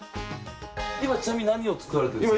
今ちなみに何を作られているんですか？